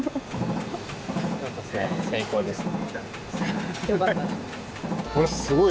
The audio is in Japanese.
成功ですね。